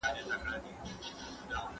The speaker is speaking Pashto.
چي شپه تېره سي، خبره هېره سي.